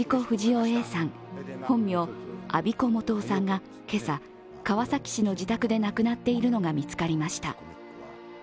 不二雄Ａさん、本名・安孫子素雄さんが今朝、川崎市の自宅で亡くなっているのが見つかりました。